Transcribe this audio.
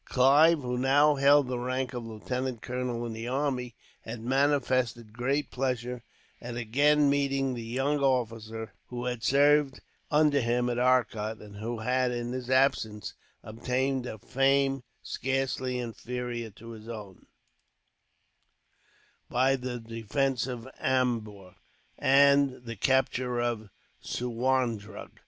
Clive, who now held the rank of lieutenant colonel in the army, had manifested great pleasure at again meeting the young officer who had served under him at Arcot; and who had, in his absence, obtained a fame scarcely inferior to his own, by the defence of Ambur and the capture of Suwarndrug.